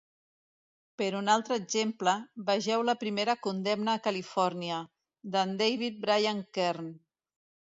Per un altre exemple, vegeu la primera condemna a Califòrnia, d"en David Brian Kern.